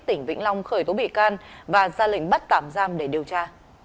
tỉnh vĩnh long khởi tố bị can và ra lệnh bắt tạm giam để điều tra